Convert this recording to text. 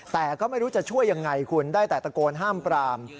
แต่ก็ไม่รู้จะช่วยยังไงคุณได้แต่ตะโกนห้ามปราม